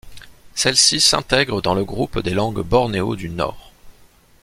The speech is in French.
Celles-ci s'intègrent dans le groupe des langues bornéo du Nord.